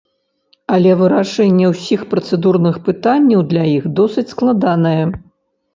Але вырашэнне ўсіх працэдурных пытанняў для іх досыць складанае.